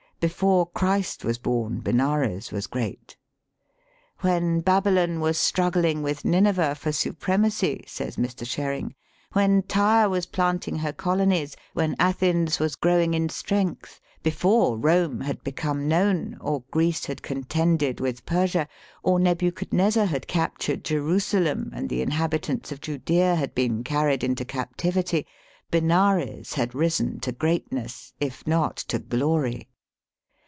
Before Christ was born Benares was great. When Babylon was struggling with Nineveh for supremacy," says Mr. Sherring, '^when Tyre was planting her colonies, when Athens was growing in strength, before Eome had become known, or Greece had contended with Persia, or Nebu chadnezzar had captured Jerusalem, and the inhabitants of Judaea had been carried into captivity, — Benares had risen to greatness, if not to glory.